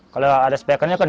kalau ada spekernya kan